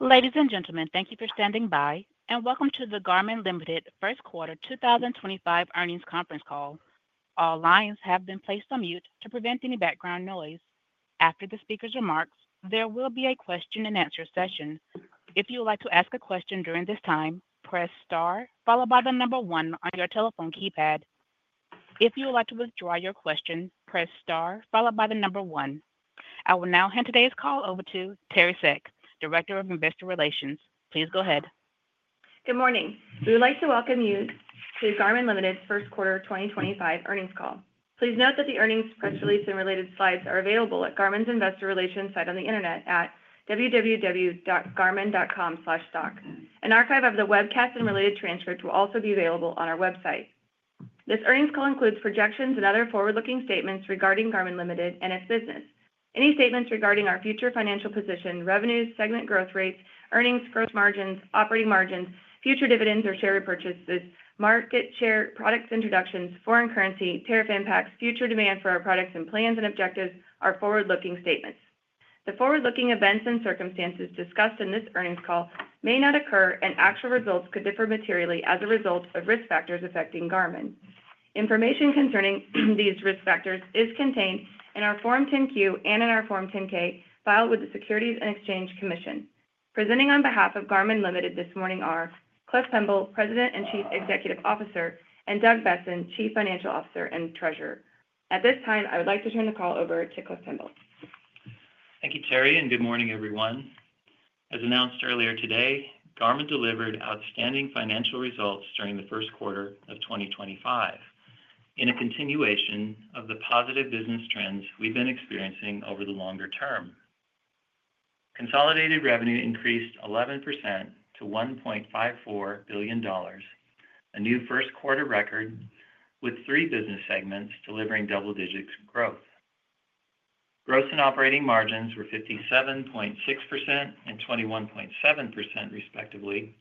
Ladies and gentlemen, thank you for standing by, and welcome to the Garmin Limited first quarter 2025 earnings conference call. All lines have been placed on mute to prevent any background noise. After the speaker's remarks, there will be a question-and-answer session. If you would like to ask a question during this time, press star followed by the number one on your telephone keypad. If you would like to withdraw your question, press star followed by the number one. I will now hand today's call over to Teri Seck, Director of Investor Relations. Please go ahead. Good morning. We would like to welcome you to the Garmin Limited first quarter 2025 earnings call. Please note that the earnings press release and related slides are available at Garmin's Investor Relations site on the internet at www.garmin.com/doc. An archive of the webcast and related transcripts will also be available on our website. This earnings call includes projections and other forward-looking statements regarding Garmin Limited and its business. Any statements regarding our future financial position, revenues, segment growth rates, earnings, gross margins, operating margins, future dividends or share repurchases, market share, product introductions, foreign currency, tariff impacts, future demand for our products, and plans and objectives are forward-looking statements. The forward-looking events and circumstances discussed in this earnings call may not occur, and actual results could differ materially as a result of risk factors affecting Garmin. Information concerning these risk factors is contained in our Form 10-Q and in our Form 10-K filed with the Securities and Exchange Commission. Presenting on behalf of Garmin Limited this morning are Cliff Pemble, President and Chief Executive Officer, and Doug Boessen, Chief Financial Officer and Treasurer. At this time, I would like to turn the call over to Cliff Pemble. Thank you, Teri, and good morning, everyone. As announced earlier today, Garmin delivered outstanding financial results during the first quarter of 2025 in a continuation of the positive business trends we've been experiencing over the longer term. Consolidated revenue increased 11% to $1.54 billion, a new first quarter record, with three business segments delivering double-digit growth. Gross and operating margins were 57.6% and 21.7%, respectively,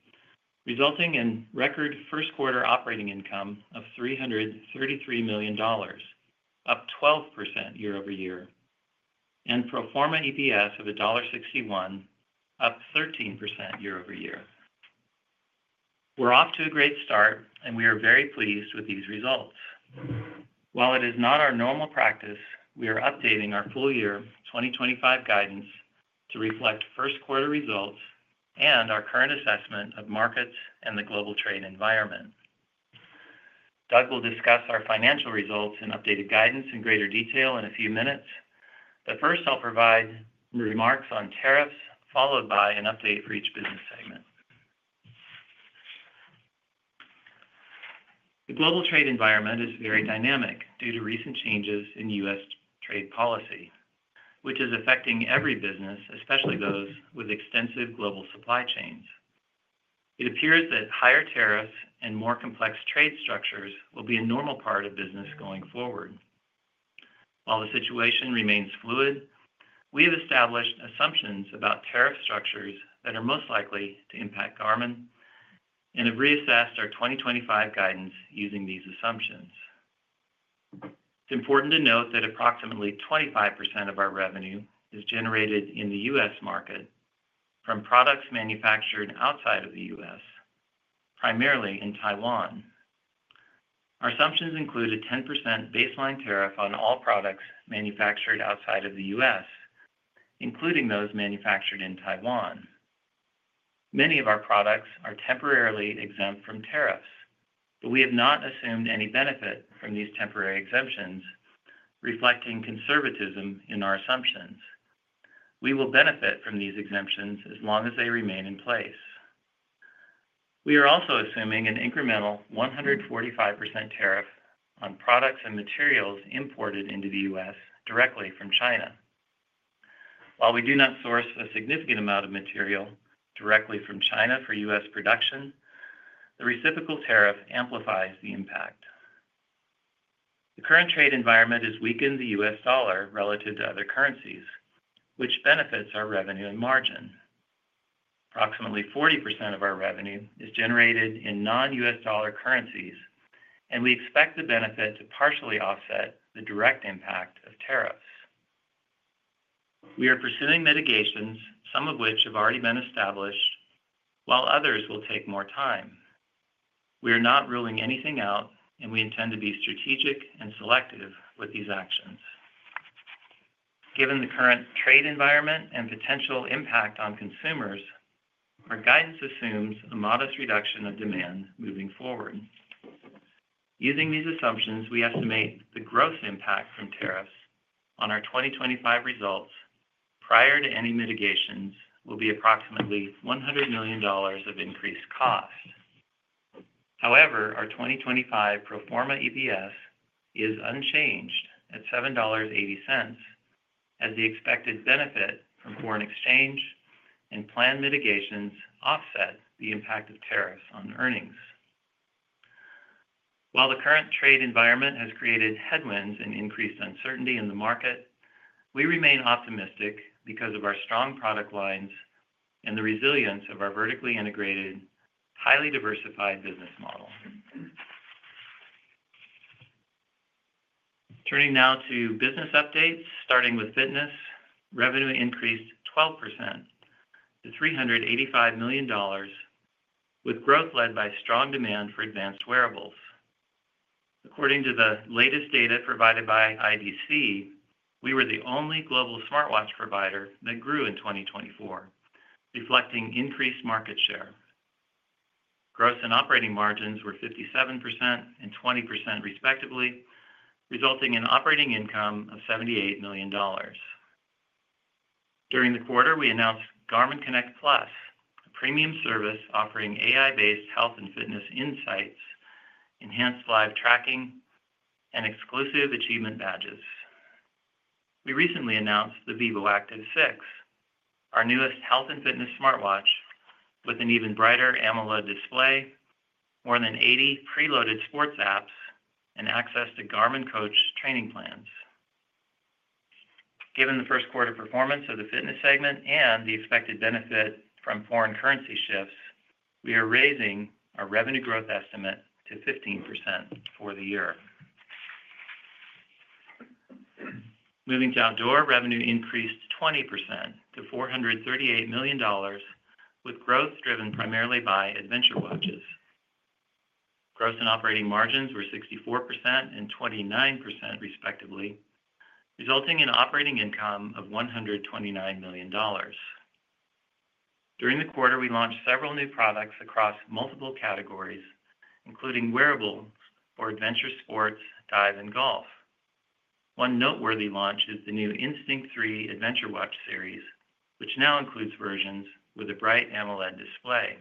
resulting in record first quarter operating income of $333 million, up 12% year-over-year, and pro forma EPS of $1.61, up 13% year-over-year. We're off to a great start, and we are very pleased with these results. While it is not our normal practice, we are updating our full-year 2025 guidance to reflect first quarter results and our current assessment of markets and the global trade environment. Doug will discuss our financial results and updated guidance in greater detail in a few minutes, but first I'll provide remarks on tariffs, followed by an update for each business segment. The global trade environment is very dynamic due to recent changes in U.S. trade policy, which is affecting every business, especially those with extensive global supply chains. It appears that higher tariffs and more complex trade structures will be a normal part of business going forward. While the situation remains fluid, we have established assumptions about tariff structures that are most likely to impact Garmin and have reassessed our 2025 guidance using these assumptions. It's important to note that approximately 25% of our revenue is generated in the U.S. market from products manufactured outside of the U.S., primarily in Taiwan. Our assumptions include a 10% baseline tariff on all products manufactured outside of the U.S., including those manufactured in Taiwan. Many of our products are temporarily exempt from tariffs, but we have not assumed any benefit from these temporary exemptions, reflecting conservatism in our assumptions. We will benefit from these exemptions as long as they remain in place. We are also assuming an incremental 145% tariff on products and materials imported into the U.S. directly from China. While we do not source a significant amount of material directly from China for U.S. production, the reciprocal tariff amplifies the impact. The current trade environment has weakened the U.S. dollar relative to other currencies, which benefits our revenue and margin. Approximately 40% of our revenue is generated in non-U.S. dollar currencies, and we expect the benefit to partially offset the direct impact of tariffs. We are pursuing mitigations, some of which have already been established, while others will take more time. We are not ruling anything out, and we intend to be strategic and selective with these actions. Given the current trade environment and potential impact on consumers, our guidance assumes a modest reduction of demand moving forward. Using these assumptions, we estimate the gross impact from tariffs on our 2025 results prior to any mitigations will be approximately $100 million of increased cost. However, our 2025 pro forma EPS is unchanged at $7.80, as the expected benefit from foreign exchange and planned mitigations offset the impact of tariffs on earnings. While the current trade environment has created headwinds and increased uncertainty in the market, we remain optimistic because of our strong product lines and the resilience of our vertically integrated, highly diversified business model. Turning now to business updates, starting with fitness, revenue increased 12% to $385 million, with growth led by strong demand for advanced wearables. According to the latest data provided by IDC, we were the only global smartwatch provider that grew in 2024, reflecting increased market share. Gross and operating margins were 57% and 20%, respectively, resulting in operating income of $78 million. During the quarter, we announced Garmin Connect+, a premium service offering AI-based health and fitness insights, enhanced live tracking, and exclusive achievement badges. We recently announced the Vivoactive 6, our newest health and fitness smartwatch with an even brighter AMOLED display, more than 80 preloaded sports apps, and access to Garmin Coach training plans. Given the first quarter performance of the fitness segment and the expected benefit from foreign currency shifts, we are raising our revenue growth estimate to 15% for the year. Moving to outdoor, revenue increased 20% to $438 million, with growth driven primarily by adventure watches. Gross and operating margins were 64% and 29%, respectively, resulting in operating income of $129 million. During the quarter, we launched several new products across multiple categories, including wearables for adventure sports, dive, and golf. One noteworthy launch is the new Instinct 3 Adventure Watch series, which now includes versions with a bright AMOLED display.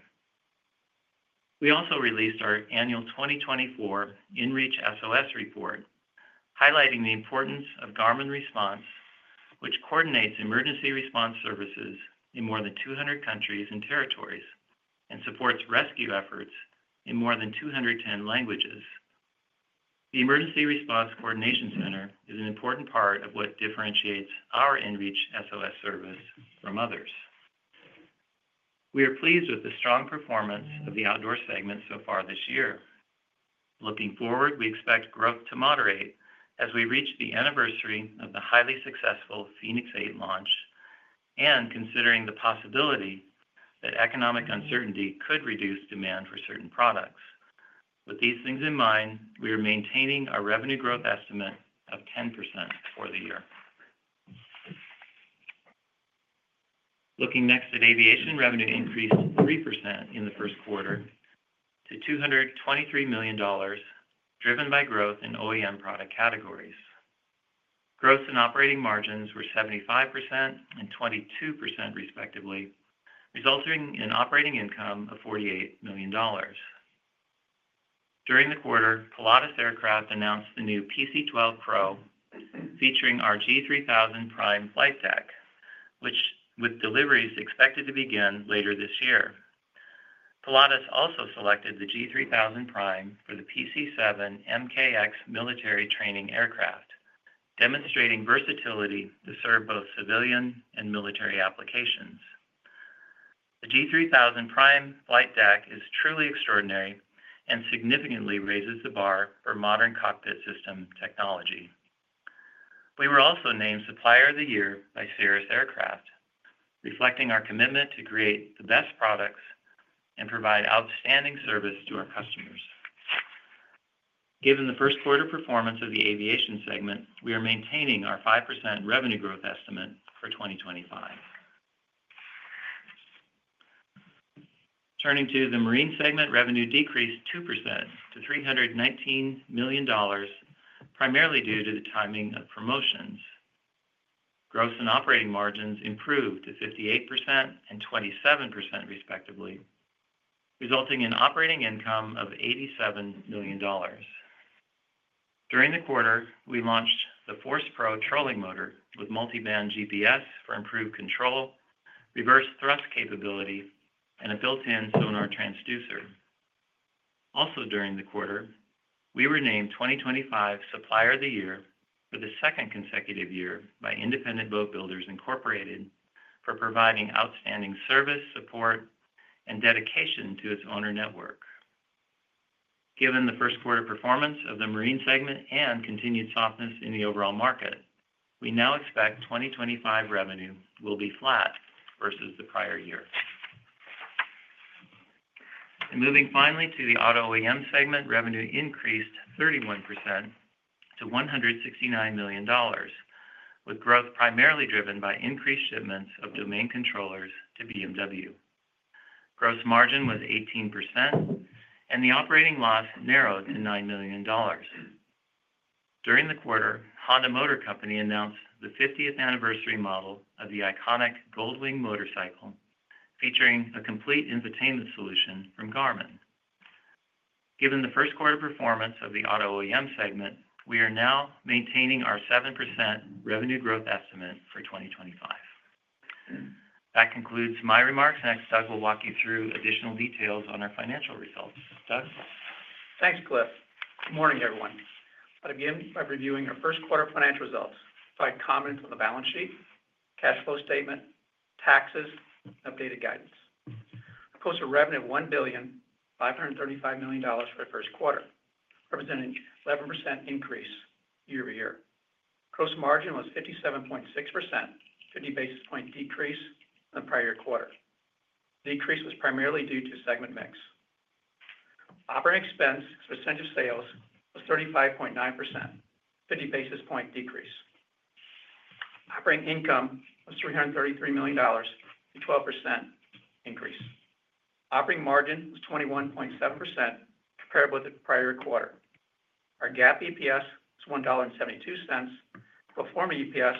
We also released our annual 2024 inReach SOS report, highlighting the importance of Garmin Response, which coordinates emergency response services in more than 200 countries and territories and supports rescue efforts in more than 210 languages. The Emergency Response Coordination Center is an important part of what differentiates our inReach SOS service from others. We are pleased with the strong performance of the outdoor segment so far this year. Looking forward, we expect growth to moderate as we reach the anniversary of the highly successful Fenix 8 launch and considering the possibility that economic uncertainty could reduce demand for certain products. With these things in mind, we are maintaining our revenue growth estimate of 10% for the year. Looking next at aviation, revenue increased 3% in the first quarter to $223 million, driven by growth in OEM product categories. Gross and operating margins were 75% and 22%, respectively, resulting in operating income of $48 million. During the quarter, Pilatus Aircraft announced the new PC-12 Pro featuring our G3000 Prime flight deck, with deliveries expected to begin later this year. Pilatus also selected the G3000 Prime for the PC-7 MKX military training aircraft, demonstrating versatility to serve both civilian and military applications. The G3000 Prime flight deck is truly extraordinary and significantly raises the bar for modern cockpit system technology. We were also named Supplier of the Year by Cirrus Aircraft, reflecting our commitment to create the best products and provide outstanding service to our customers. Given the first quarter performance of the aviation segment, we are maintaining our 5% revenue growth estimate for 2025. Turning to the marine segment, revenue decreased 2% to $319 million, primarily due to the timing of promotions. Gross and operating margins improved to 58% and 27%, respectively, resulting in operating income of $87 million. During the quarter, we launched the Force Pro trolling motor with multi-band GPS for improved control, reverse thrust capability, and a built-in sonar transducer. Also during the quarter, we were named 2025 Supplier of the Year for the second consecutive year by Independent Boat Builders Incorporated for providing outstanding service, support, and dedication to its owner network. Given the first quarter performance of the marine segment and continued softness in the overall market, we now expect 2025 revenue will be flat versus the prior year. Finally, moving to the auto OEM segment, revenue increased 31% to $169 million, with growth primarily driven by increased shipments of domain controllers to BMW. Gross margin was 18%, and the operating loss narrowed to $9 million. During the quarter, Honda Motor Company announced the 50th anniversary model of the iconic Gold Wing motorcycle, featuring a complete infotainment solution from Garmin. Given the first quarter performance of the auto OEM segment, we are now maintaining our 7% revenue growth estimate for 2025. That concludes my remarks. Next, Doug will walk you through additional details on our financial results. Doug? Thanks, Cliff. Good morning, everyone. Before beginning by reviewing our first quarter financial results, I'd like comments on the balance sheet, cash flow statement, taxes, and updated guidance. We posted a revenue of $1,535 million for the first quarter, representing an 11% increase year-over-year. Gross margin was 57.6%, a 50 basis point decrease from the prior quarter. The decrease was primarily due to segment mix. Operating expense, percentage of sales, was 35.9%, a 50 basis point decrease. Operating income was $333 million, a 12% increase. Operating margin was 21.7%, comparable to the prior quarter. Our GAAP EPS was $1.72, and pro forma EPS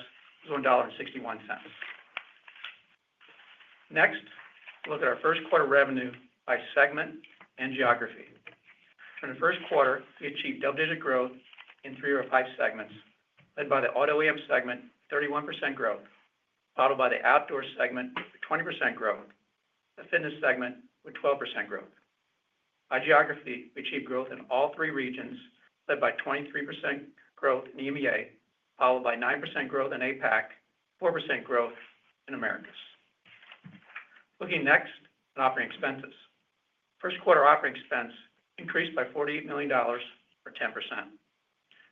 was $1.61. Next, we'll look at our first quarter revenue by segment and geography. For the first quarter, we achieved double-digit growth in three of our five segments, led by the auto OEM segment, 31% growth, followed by the outdoor segment with 20% growth, and the fitness segment with 12% growth. By geography, we achieved growth in all three regions, led by 23% growth in EMEA, followed by 9% growth in APAC, and 4% growth in the Americas. Looking next at operating expenses, first quarter operating expense increased by $48 million or 10%.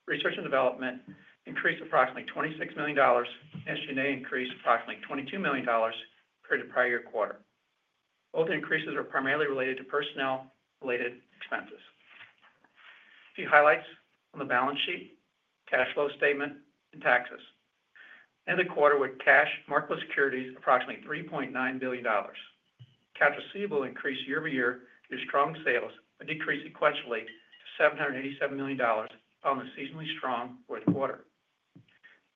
Research and development increased approximately $26 million, and SG&A increased approximately $22 million compared to the prior year quarter. Both increases are primarily related to personnel-related expenses. A few highlights on the balance sheet, cash flow statement, and taxes. End of quarter with cash marketable securities approximately $3.9 billion. Cash receivable increased year-over-year due to strong sales, but decreased sequentially to $787 million following a seasonally strong fourth quarter.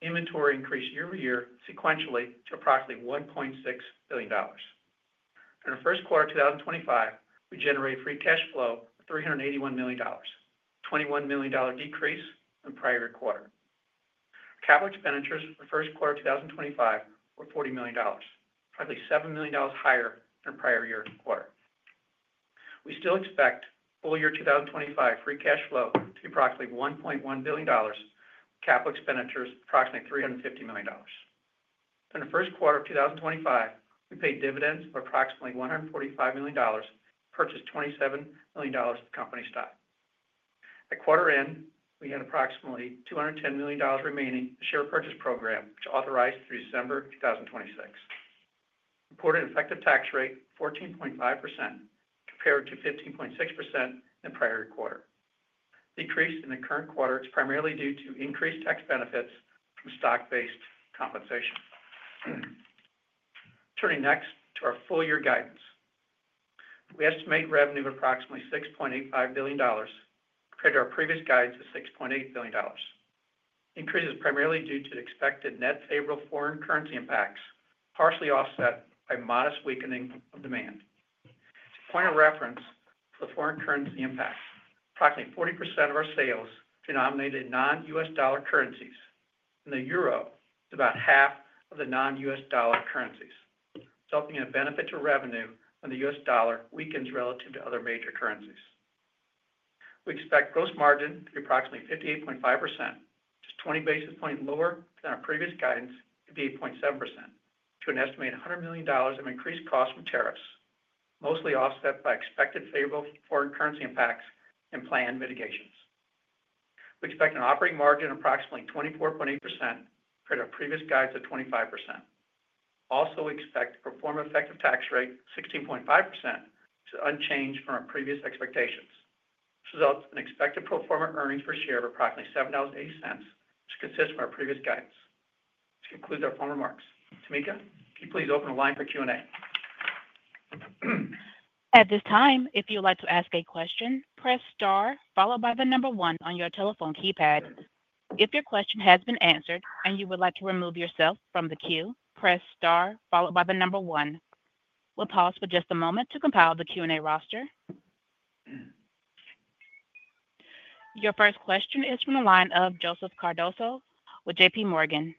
Inventory increased year-over-year sequentially to approximately $1.6 billion. In our first quarter of 2025, we generated free cash flow of $381 million, a $21 million decrease from the prior year quarter. CapEx expenditures for the first quarter of 2025 were $40 million, roughly $7 million higher than the prior year quarter. We still expect full year 2025 free cash flow to be approximately $1.1 billion, with CapEx expenditures approximately $350 million. In the first quarter of 2025, we paid dividends of approximately $145 million, purchased $27 million of the company stock. At quarter end, we had approximately $210 million remaining in the share purchase program, which authorized through December 2026. Reported effective tax rate 14.5%, compared to 15.6% in the prior quarter. Decrease in the current quarter is primarily due to increased tax benefits from stock-based compensation. Turning next to our full year guidance, we estimate revenue of approximately $6.85 billion, compared to our previous guidance of $6.8 billion. Increase is primarily due to expected net favorable foreign currency impacts, partially offset by modest weakening of demand. To point of reference for the foreign currency impact, approximately 40% of our sales denominated non-U.S. dollar currencies, and the euro is about half of the non-U.S. dollar currencies, resulting in a benefit to revenue when the U.S. dollar weakens relative to other major currencies. We expect gross margin to be approximately 58.5%, just 20 basis points lower than our previous guidance of 58.7%, due to an estimated $100 million of increased costs from tariffs, mostly offset by expected favorable foreign currency impacts and planned mitigations. We expect an operating margin of approximately 24.8%, compared to our previous guidance of 25%. Also, we expect a pro forma effective tax rate of 16.5%, which is unchanged from our previous expectations. This results in expected pro forma earnings per share of approximately $7.80, which consists from our previous guidance. To conclude our final remarks, Tamika, can you please open the line for Q&A? At this time, if you would like to ask a question, press star followed by the number one on your telephone keypad. If your question has been answered and you would like to remove yourself from the queue, press star followed by the number one. We'll pause for just a moment to compile the Q&A roster. Your first question is from the line of Joseph Cardoso with JPMorgan.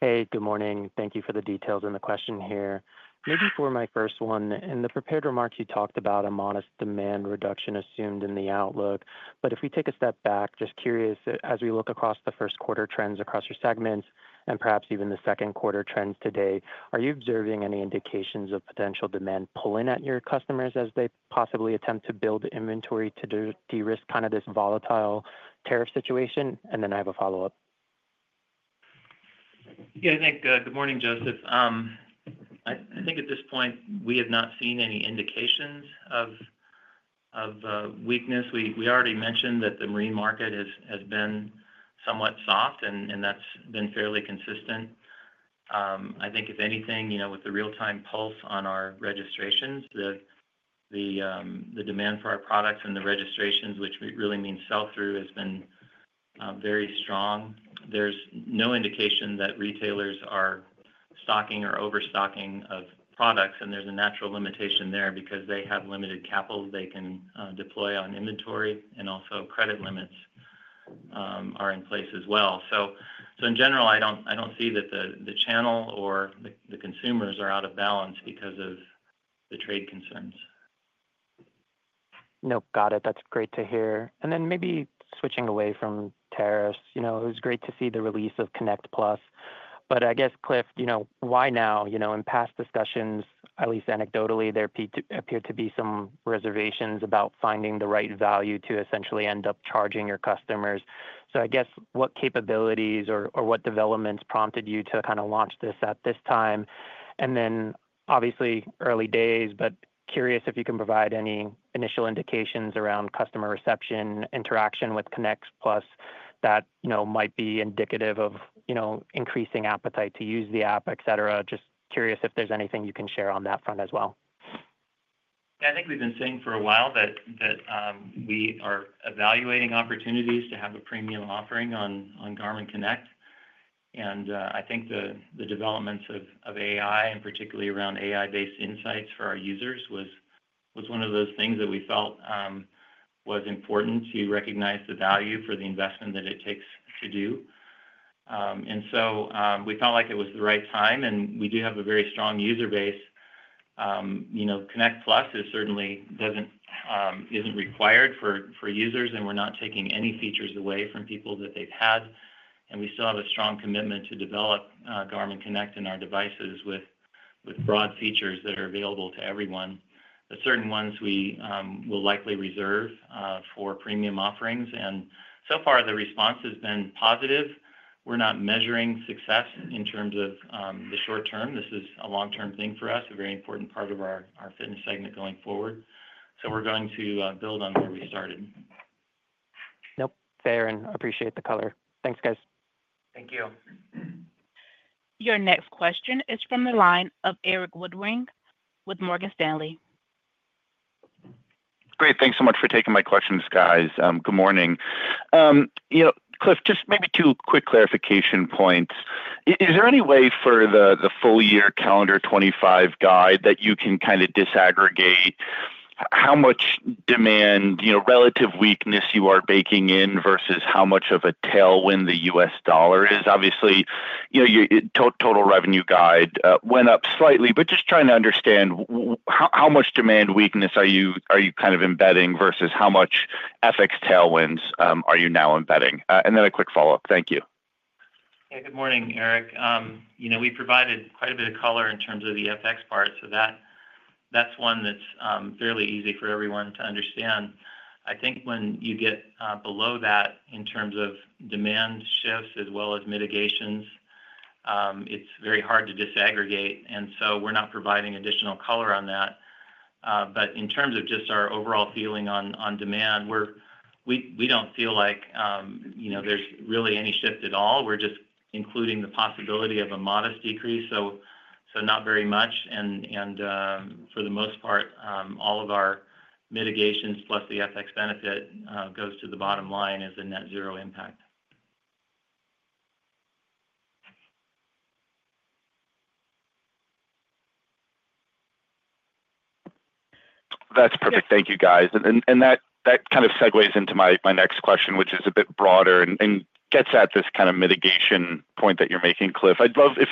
Hey, good morning. Thank you for the details in the question here. Maybe for my first one, in the prepared remarks, you talked about a modest demand reduction assumed in the outlook. If we take a step back, just curious, as we look across the first quarter trends across your segments and perhaps even the second quarter trends today, are you observing any indications of potential demand pulling at your customers as they possibly attempt to build inventory to de-risk kind of this volatile tariff situation? I have a follow-up. Yeah, thank you. Good morning, Joseph. I think at this point, we have not seen any indications of weakness. We already mentioned that the marine market has been somewhat soft, and that's been fairly consistent. I think, if anything, with the real-time pulse on our registrations, the demand for our products and the registrations, which really means sell-through, has been very strong. There's no indication that retailers are stocking or overstocking of products, and there's a natural limitation there because they have limited capital they can deploy on inventory, and also credit limits are in place as well. In general, I don't see that the channel or the consumers are out of balance because of the trade concerns. Nope, got it. That's great to hear. Maybe switching away from tariffs, it was great to see the release of Connect+. I guess, Cliff, why now? In past discussions, at least anecdotally, there appeared to be some reservations about finding the right value to essentially end up charging your customers. I guess, what capabilities or what developments prompted you to kind of launch this at this time? Obviously, early days, but curious if you can provide any initial indications around customer reception, interaction with Connect+ that might be indicative of increasing appetite to use the app, etc. Just curious if there's anything you can share on that front as well. Yeah, I think we've been saying for a while that we are evaluating opportunities to have a premium offering on Garmin Connect. I think the developments of AI, and particularly around AI-based insights for our users, was one of those things that we felt was important to recognize the value for the investment that it takes to do. We felt like it was the right time, and we do have a very strong user base. Connect+ certainly isn't required for users, and we're not taking any features away from people that they've had. We still have a strong commitment to develop Garmin Connect in our devices with broad features that are available to everyone. Certain ones we will likely reserve for premium offerings. So far, the response has been positive. We're not measuring success in terms of the short term. This is a long-term thing for us, a very important part of our fitness segment going forward. We are going to build on where we started. Nope, fair and appreciate the color. Thanks, guys. Thank you. Your next question is from the line of Erik Woodring with Morgan Stanley. Great. Thanks so much for taking my questions, guys. Good morning. Cliff, just maybe two quick clarification points. Is there any way for the full year calendar 2025 guide that you can kind of disaggregate how much demand, relative weakness you are baking in versus how much of a tailwind the U.S. dollar is? Obviously, your total revenue guide went up slightly, but just trying to understand how much demand weakness are you kind of embedding versus how much FX tailwinds are you now embedding? A quick follow-up. Thank you. Yeah, good morning, Erik. We provided quite a bit of color in terms of the FX part, so that's one that's fairly easy for everyone to understand. I think when you get below that in terms of demand shifts as well as mitigations, it's very hard to disaggregate. We are not providing additional color on that. In terms of just our overall feeling on demand, we do not feel like there's really any shift at all. We are just including the possibility of a modest decrease, so not very much. For the most part, all of our mitigations plus the FX benefit goes to the bottom line as a net zero impact. That's perfect. Thank you, guys. That kind of segues into my next question, which is a bit broader and gets at this kind of mitigation point that you're making, Cliff. I'd love if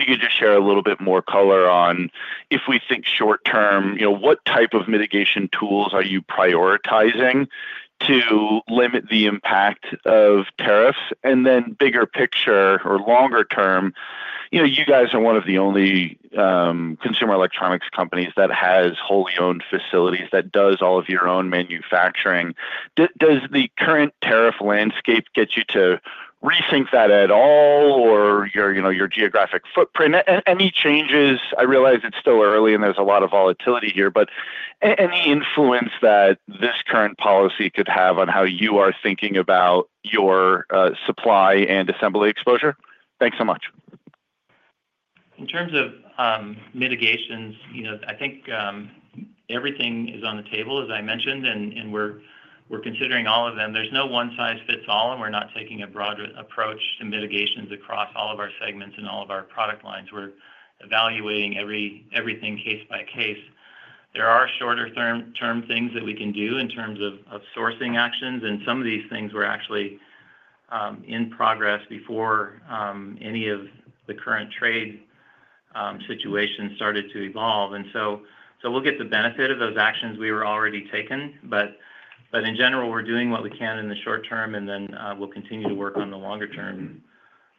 you could just share a little bit more color on, if we think short term, what type of mitigation tools are you prioritizing to limit the impact of tariffs? Then bigger picture or longer term, you guys are one of the only consumer electronics companies that has wholly owned facilities, that does all of your own manufacturing. Does the current tariff landscape get you to rethink that at all, or your geographic footprint? Any changes? I realize it's still early and there's a lot of volatility here, but any influence that this current policy could have on how you are thinking about your supply and assembly exposure? Thanks so much. In terms of mitigations, I think everything is on the table, as I mentioned, and we're considering all of them. There's no one-size-fits-all, and we're not taking a broad approach to mitigations across all of our segments and all of our product lines. We're evaluating everything case by case. There are shorter-term things that we can do in terms of sourcing actions. Some of these things were actually in progress before any of the current trade situation started to evolve. We'll get the benefit of those actions we were already taking. In general, we're doing what we can in the short term, and then we'll continue to work on the longer-term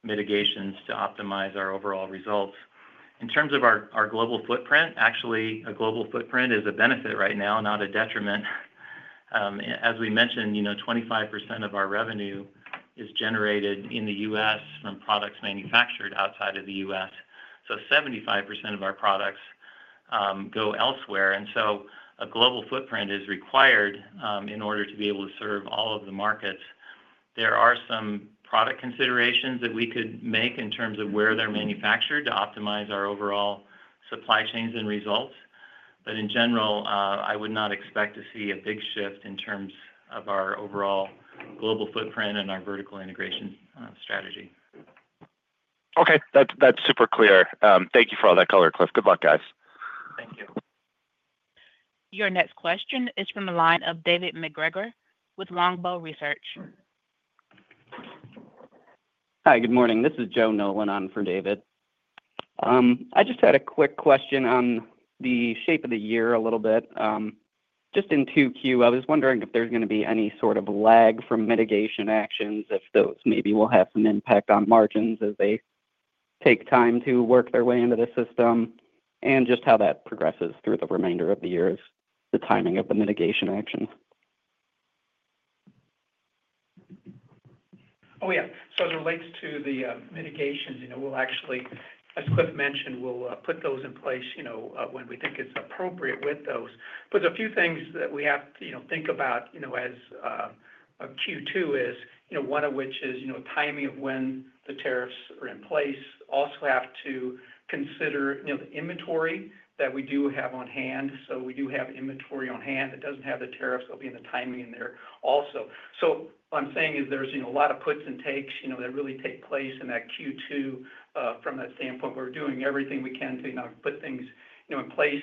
mitigations to optimize our overall results. In terms of our global footprint, actually, a global footprint is a benefit right now, not a detriment. As we mentioned, 25% of our revenue is generated in the U.S. from products manufactured outside of the U.S. 75% of our products go elsewhere. A global footprint is required in order to be able to serve all of the markets. There are some product considerations that we could make in terms of where they're manufactured to optimize our overall supply chains and results. In general, I would not expect to see a big shift in terms of our overall global footprint and our vertical integration strategy. Okay. That's super clear. Thank you for all that color, Cliff. Good luck, guys. Thank you. Your next question is from the line of David MacGregor with Longbow Research. Hi, good morning. This is Joe Nolan on for David. I just had a quick question on the shape of the year a little bit. Just in 2Q, I was wondering if there's going to be any sort of lag from mitigation actions, if those maybe will have some impact on margins as they take time to work their way into the system, and just how that progresses through the remainder of the year is the timing of the mitigation actions. Oh, yeah. As it relates to the mitigations, we'll actually, as Cliff mentioned, put those in place when we think it's appropriate with those. There are a few things that we have to think about as a Q2, one of which is timing of when the tariffs are in place. We also have to consider the inventory that we do have on hand. We do have inventory on hand that does not have the tariffs that will be in the timing in there also. What I'm saying is there are a lot of puts and takes that really take place in that Q2 from that standpoint. We're doing everything we can to put things in place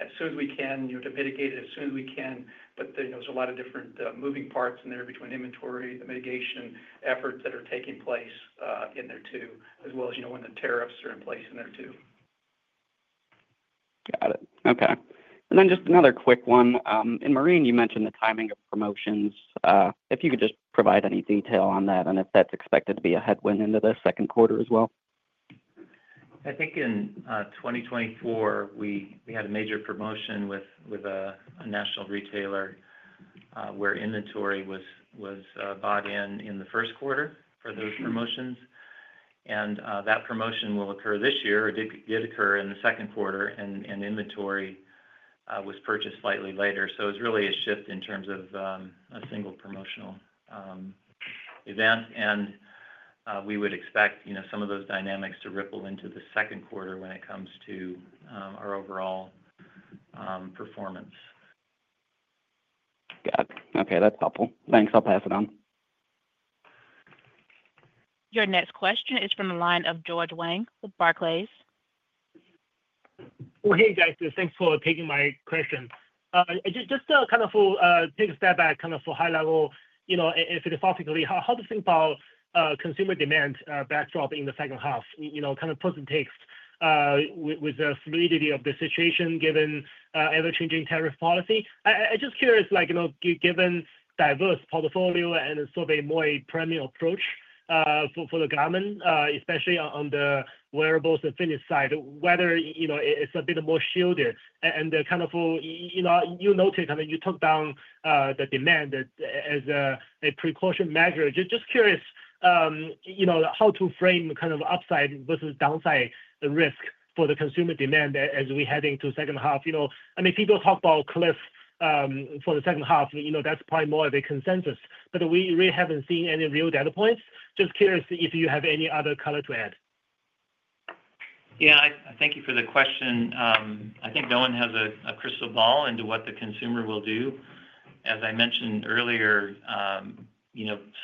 as soon as we can to mitigate it as soon as we can. There are a lot of different moving parts in there between inventory, the mitigation efforts that are taking place in there too, as well as when the tariffs are in place in there too. Got it. Okay. Just another quick one. In marine, you mentioned the timing of promotions. If you could just provide any detail on that and if that is expected to be a headwind into the second quarter as well. I think in 2024, we had a major promotion with a national retailer where inventory was bought in in the first quarter for those promotions. That promotion will occur this year. It did occur in the second quarter, and inventory was purchased slightly later. It was really a shift in terms of a single promotional event. We would expect some of those dynamics to ripple into the second quarter when it comes to our overall performance. Got it. Okay. That's helpful. Thanks. I'll pass it on. Your next question is from the line of George Wang with Barclays. Hey, guys. Thanks for taking my question. Just to kind of take a step back kind of for high level, if you could talk quickly, how to think about consumer demand backdrop in the second half, kind of puts and takes with the fluidity of the situation given ever-changing tariff policy. I'm just curious, given diverse portfolio and a sort of a more premium approach for the government, especially on the wearables and fitness side, whether it's a bit more shielded. You noted kind of you took down the demand as a precaution measure. Just curious how to frame kind of upside versus downside risk for the consumer demand as we head into the second half. I mean, people talk about cliff for the second half. That's probably more of a consensus. We really haven't seen any real data points. Just curious if you have any other color to add. Yeah. Thank you for the question. I think no one has a crystal ball into what the consumer will do. As I mentioned earlier,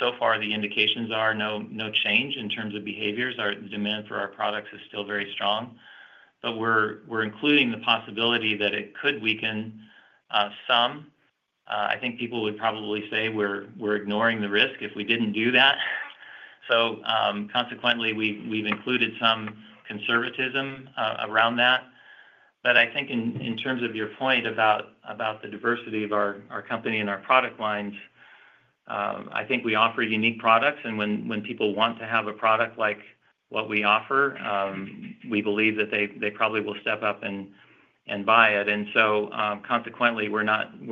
so far, the indications are no change in terms of behaviors. The demand for our products is still very strong. We are including the possibility that it could weaken some. I think people would probably say we are ignoring the risk if we did not do that. Consequently, we have included some conservatism around that. I think in terms of your point about the diversity of our company and our product lines, we offer unique products. When people want to have a product like what we offer, we believe that they probably will step up and buy it. Consequently, we are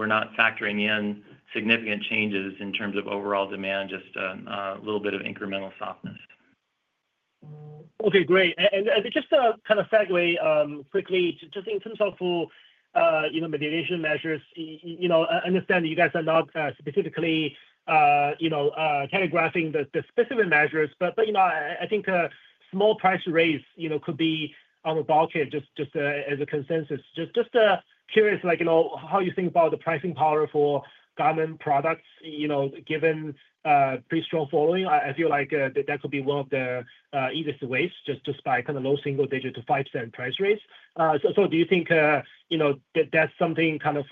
not factoring in significant changes in terms of overall demand, just a little bit of incremental softness. Okay. Great. Just to kind of segue quickly, just in terms of mitigation measures, I understand that you guys are not specifically telegraphing the specific measures. I think small price raise could be on the docket, just as a consensus. Just curious how you think about the pricing power for Garmin products given pretty strong following. I feel like that could be one of the easiest ways, just by kind of low single-digit to $0.05 price raise. Do you think that's something kind of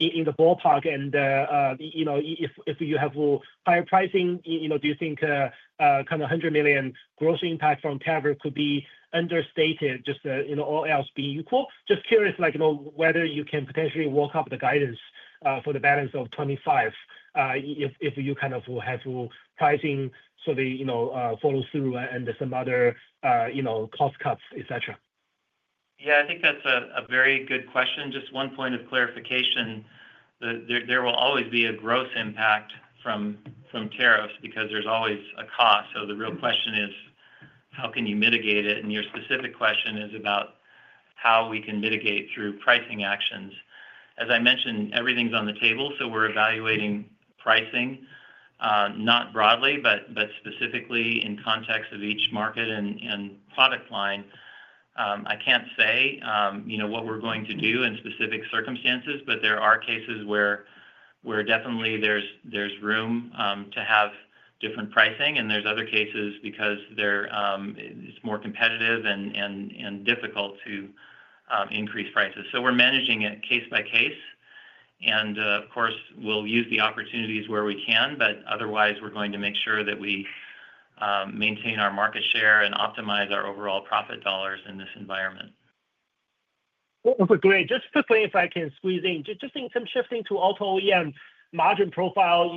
in the ballpark? If you have higher pricing, do you think kind of $100 million gross impact from tariff could be understated, just all else being equal? Just curious whether you can potentially walk up the guidance for the balance of 2025 if you kind of have pricing sort of follow through and some other cost cuts, etc. Yeah. I think that's a very good question. Just one point of clarification. There will always be a gross impact from tariffs because there's always a cost. The real question is, how can you mitigate it? Your specific question is about how we can mitigate through pricing actions. As I mentioned, everything's on the table. We're evaluating pricing, not broadly, but specifically in context of each market and product line. I can't say what we're going to do in specific circumstances, but there are cases where definitely there's room to have different pricing. There are other cases because it's more competitive and difficult to increase prices. We're managing it case by case. Of course, we'll use the opportunities where we can, but otherwise, we're going to make sure that we maintain our market share and optimize our overall profit dollars in this environment. Okay. Great. Just quickly, if I can squeeze in, just in terms of shifting to auto OEM margin profile,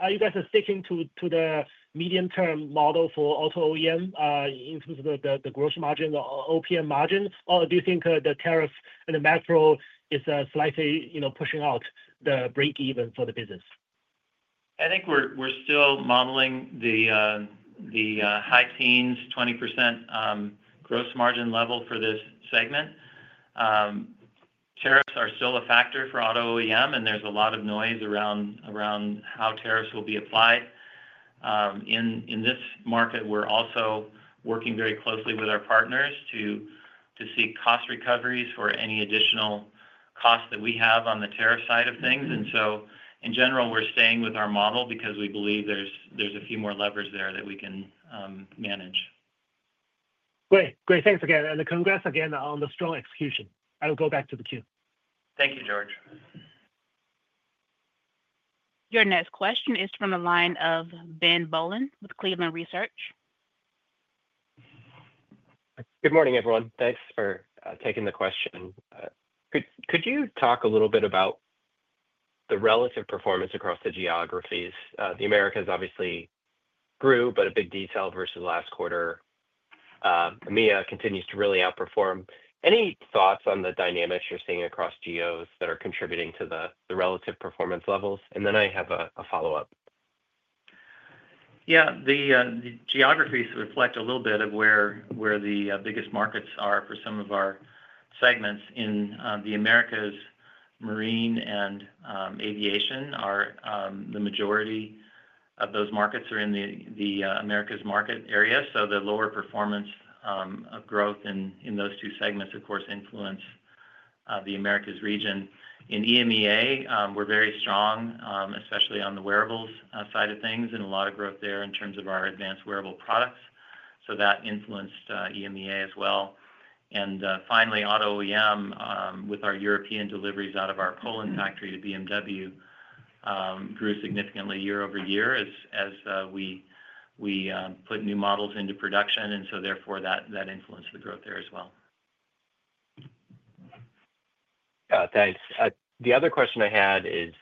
are you guys sticking to the medium-term model for auto OEM in terms of the gross margin, the OPM margin? Or do you think the tariff and the macro is slightly pushing out the breakeven for the business? I think we're still modeling the high teens, 20% gross margin level for this segment. Tariffs are still a factor for auto OEM, and there's a lot of noise around how tariffs will be applied. In this market, we're also working very closely with our partners to seek cost recoveries for any additional costs that we have on the tariff side of things. In general, we're staying with our model because we believe there's a few more levers there that we can manage. Great. Great. Thanks again. Congrats again on the strong execution. I'll go back to the queue. Thank you, George. Your next question is from the line of Ben Bollin with Cleveland Research. Good morning, everyone. Thanks for taking the question. Could you talk a little bit about the relative performance across the geographies? The Americas obviously grew, but a big detail versus last quarter. EMEA continues to really outperform. Any thoughts on the dynamics you're seeing across geos that are contributing to the relative performance levels? I have a follow-up. Yeah. The geographies reflect a little bit of where the biggest markets are for some of our segments. In the Americas, marine and aviation are the majority of those markets are in the Americas market area. The lower performance growth in those two segments, of course, influence the Americas region. In EMEA, we're very strong, especially on the wearables side of things, and a lot of growth there in terms of our advanced wearable products. That influenced EMEA as well. Finally, auto OEM with our European deliveries out of our Poland factory to BMW grew significantly year-over-year as we put new models into production. Therefore, that influenced the growth there as well. Thanks. The other question I had is,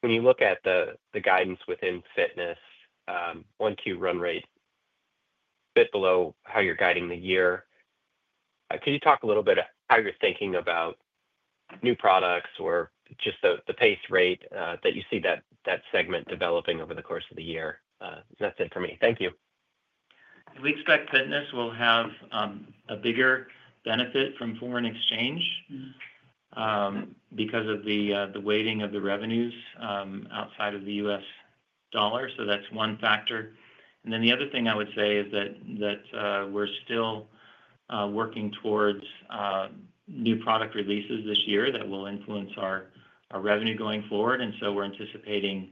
when you look at the guidance within fitness, 1Q run rate bit below how you're guiding the year, could you talk a little bit how you're thinking about new products or just the pace rate that you see that segment developing over the course of the year? That's it for me. Thank you. We expect fitness will have a bigger benefit from foreign exchange because of the weighting of the revenues outside of the U.S. dollar. That is one factor. The other thing I would say is that we're still working towards new product releases this year that will influence our revenue going forward. We are anticipating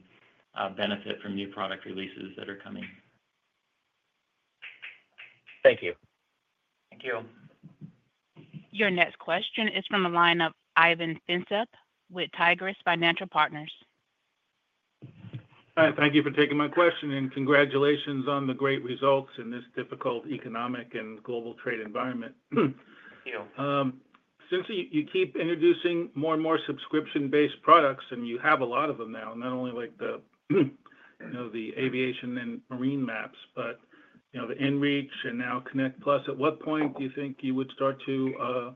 benefit from new product releases that are coming. Thank you. Thank you. Your next question is from the line of Ivan Feinseth with Tigress Financial Partners. Hi. Thank you for taking my question. Congratulations on the great results in this difficult economic and global trade environment. Thank you. Since you keep introducing more and more subscription-based products, and you have a lot of them now, not only the aviation and marine maps, but the inReach and now Connect+, at what point do you think you would start to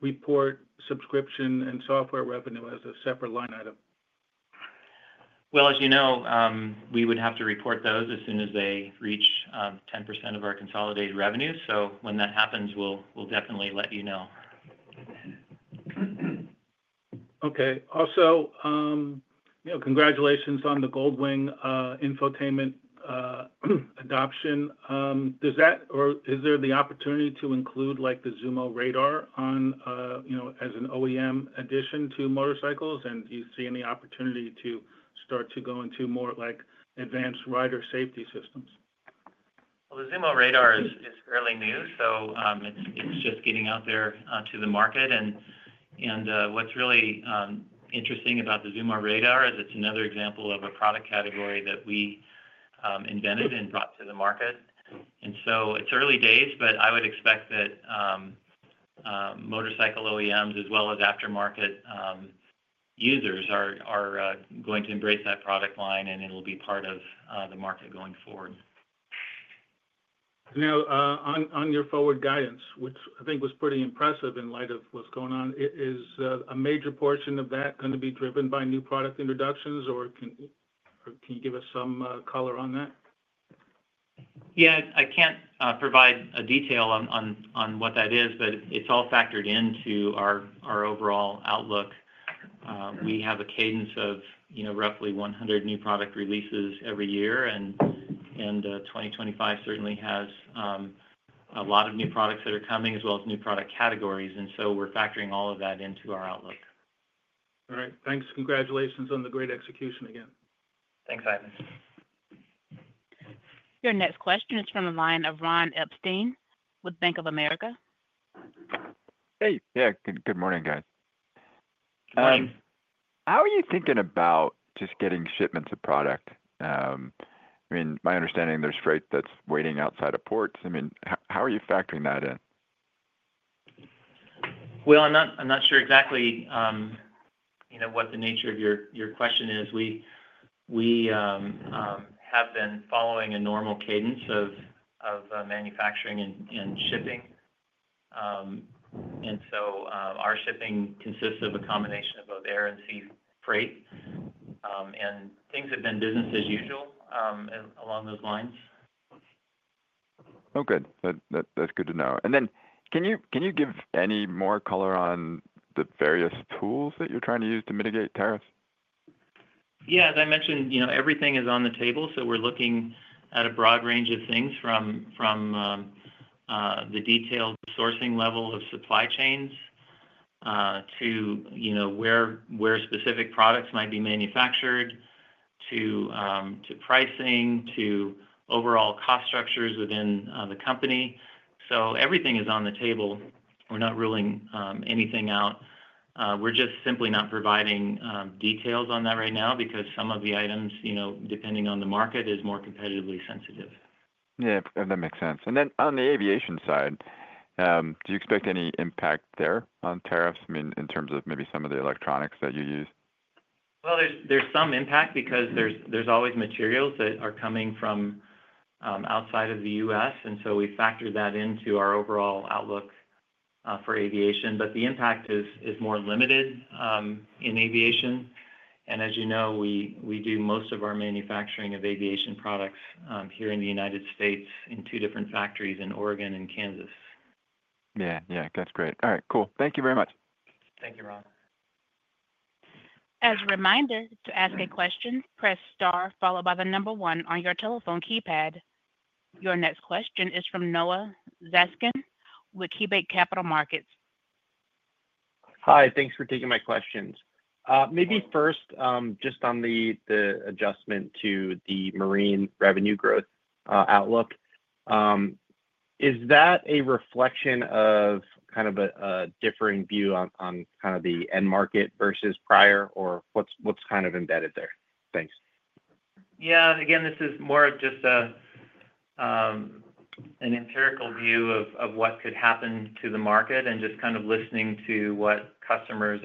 report subscription and software revenue as a separate line item? As you know, we would have to report those as soon as they reach 10% of our consolidated revenue. When that happens, we'll definitely let you know. Okay. Also, congratulations on the Gold Wing infotainment adoption. Is there the opportunity to include the zūmo Radar as an OEM addition to motorcycles? Do you see any opportunity to start to go into more advanced rider safety systems? The zūmo Radar is fairly new. So it's just getting out there to the market. What's really interesting about the zūmo Radar is it's another example of a product category that we invented and brought to the market. It's early days, but I would expect that motorcycle OEMs, as well as aftermarket users, are going to embrace that product line, and it will be part of the market going forward. Now, on your forward guidance, which I think was pretty impressive in light of what's going on, is a major portion of that going to be driven by new product introductions, or can you give us some color on that? Yeah. I can't provide a detail on what that is, but it's all factored into our overall outlook. We have a cadence of roughly 100 new product releases every year. 2025 certainly has a lot of new products that are coming, as well as new product categories. We're factoring all of that into our outlook. All right. Thanks. Congratulations on the great execution again. Thanks, Ivan. Your next question is from the line of Ron Epstein with Bank of America. Hey. Yeah. Good morning, guys. How are you thinking about just getting shipments of product? I mean, my understanding there's freight that's waiting outside of ports. I mean, how are you factoring that in? I'm not sure exactly what the nature of your question is. We have been following a normal cadence of manufacturing and shipping. Our shipping consists of a combination of both air and sea freight. Things have been business as usual along those lines. Oh, good. That's good to know. Can you give any more color on the various tools that you're trying to use to mitigate tariffs? Yeah. As I mentioned, everything is on the table. We are looking at a broad range of things, from the detailed sourcing level of supply chains to where specific products might be manufactured, to pricing, to overall cost structures within the company. Everything is on the table. We are not ruling anything out. We are just simply not providing details on that right now because some of the items, depending on the market, are more competitively sensitive. Yeah. That makes sense. Then on the aviation side, do you expect any impact there on tariffs, I mean, in terms of maybe some of the electronics that you use? There is some impact because there is always materials that are coming from outside of the U.S. and so we factor that into our overall outlook for aviation. The impact is more limited in aviation. As you know, we do most of our manufacturing of aviation products here in the United States in two different factories in Oregon and Kansas. Yeah. Yeah. That's great. All right. Cool. Thank you very much. Thank you, Ron. As a reminder, to ask a question, press star followed by the number one on your telephone keypad. Your next question is from Noah Zatzkin with KeyBanc Capital Markets. Hi. Thanks for taking my questions. Maybe first, just on the adjustment to the marine revenue growth outlook, is that a reflection of kind of a differing view on kind of the end market versus prior, or what's kind of embedded there? Thanks. Yeah. Again, this is more of just an empirical view of what could happen to the market and just kind of listening to what customers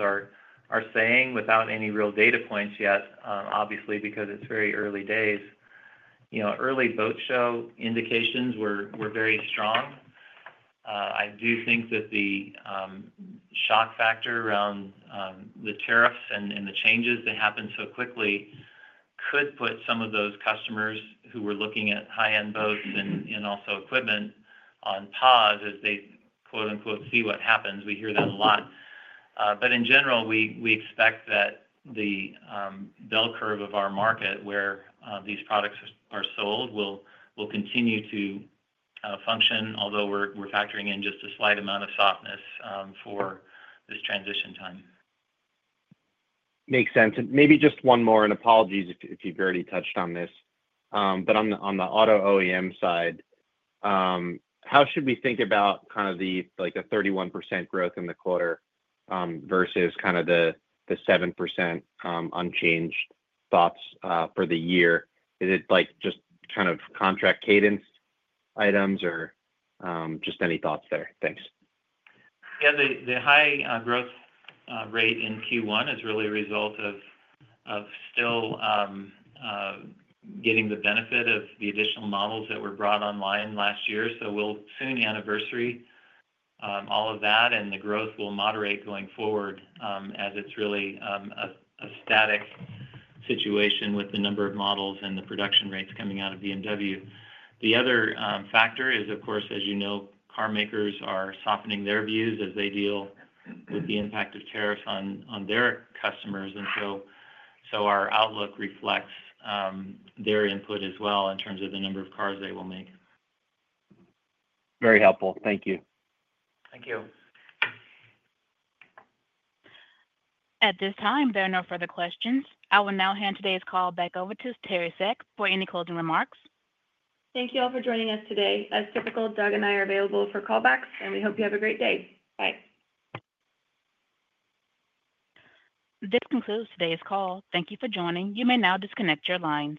are saying without any real data points yet, obviously, because it's very early days. Early boat show indications were very strong. I do think that the shock factor around the tariffs and the changes that happened so quickly could put some of those customers who were looking at high-end boats and also equipment on pause as they "see what happens." We hear that a lot. In general, we expect that the bell curve of our market where these products are sold will continue to function, although we're factoring in just a slight amount of softness for this transition time. Makes sense. Maybe just one more, and apologies if you've already touched on this, but on the auto OEM side, how should we think about kind of the 31% growth in the quarter versus kind of the 7% unchanged thoughts for the year? Is it just kind of contract cadence items or just any thoughts there? Thanks. Yeah. The high growth rate in Q1 is really a result of still getting the benefit of the additional models that were brought online last year. We will soon anniversary all of that, and the growth will moderate going forward as it is really a static situation with the number of models and the production rates coming out of BMW. The other factor is, of course, as you know, car makers are softening their views as they deal with the impact of tariffs on their customers. Our outlook reflects their input as well in terms of the number of cars they will make. Very helpful. Thank you. Thank you. At this time, there are no further questions. I will now hand today's call back over to Teri Seck for any closing remarks. Thank you all for joining us today. As typical, Doug and I are available for callbacks, and we hope you have a great day. Bye. This concludes today's call. Thank you for joining. You may now disconnect your line.